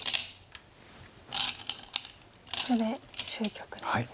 ここで終局ですね。